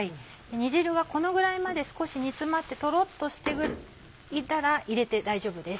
煮汁がこのぐらいまで少し煮詰まってトロっとしていたら入れて大丈夫です。